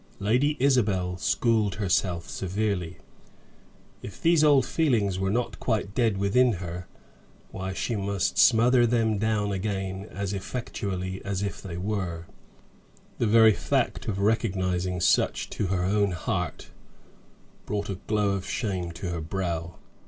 Lady Isabel schooled herself severely. If those old feelings were not quite dead within her, why, she must smother them down again as effectually as if they were; the very fact of recognizing such to her own heart, brought a glow of shame to her brow.